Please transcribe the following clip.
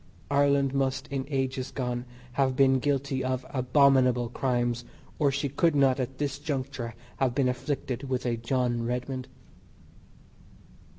Ireland must in ages gone have been guilty of abominable crimes or she could not at this juncture have been afflicted with a John Redmond.